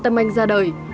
khoa tâm anh ra đời